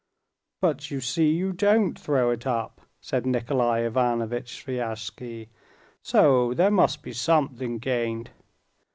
"But you see you don't throw it up," said Nikolay Ivanovitch Sviazhsky; "so there must be something gained."